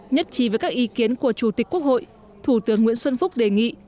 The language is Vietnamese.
nhất trí với các ý kiến của chủ tịch quốc hội thủ tướng nguyễn xuân phúc đề nghị